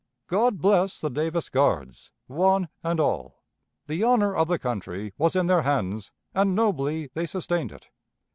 God bless the Davis Guards, one and all! The honor of the country was in their hands, and nobly they sustained it.